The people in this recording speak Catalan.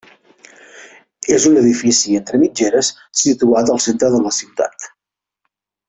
És un edifici entre mitgeres situat al centre de la ciutat.